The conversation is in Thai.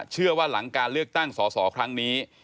เชื่อว่าหลังการเลือกตั้งสอสอครั้งนี้